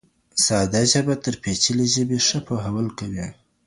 ساده ژبه تر پېچلې ژبې ښه پوهول کوي.